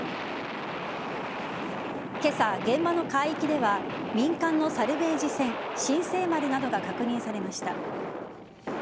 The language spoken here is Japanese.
今朝、現場の海域では民間のサルベージ船「新世丸」などが確認されました。